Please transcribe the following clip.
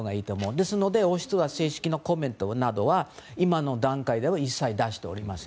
ですので王室な正式なコメントは今の段階では一切出しておりません。